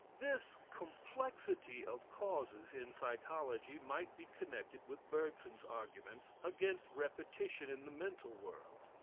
This complexity of causes in psychology might be connected with Bergson's arguments against repetition in the mental world.